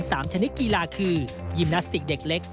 ชนิดกีฬาคือยิมนาสติกเด็กเล็ก